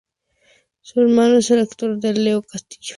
Su hermano es el actor Leo Castillo.